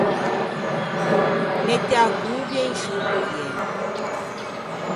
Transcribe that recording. Mette a povie in sciô povien.